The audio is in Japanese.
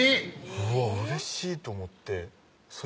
うわうれしいと思ってそ